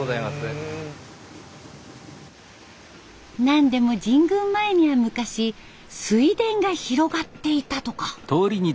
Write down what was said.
なんでも神宮前には昔水田が広がっていたとか。